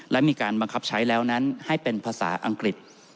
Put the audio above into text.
และมีการบังคับใช้แล้วนั้นให้เป็นภาษาอังกฤษ